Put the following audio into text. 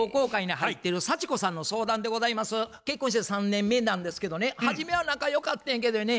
結婚して３年目なんですけどね初めは仲良かったんやけどやね